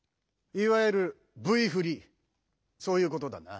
いわゆるＶふりそういうことだな。